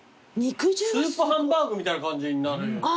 スープハンバーグみたいな感じになる。